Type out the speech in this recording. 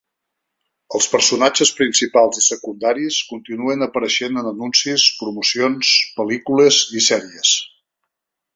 Els personatges principals i secundaris continuen apareixent en anuncis, promocions, pel·lícules i sèries.